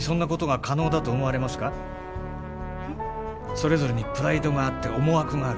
それぞれにプライドがあって思惑がある。